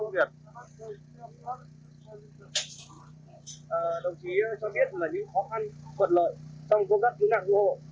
đồng chí cho biết là những khó khăn phận lợi trong công tác tìm kiếm nạn nguồn hộ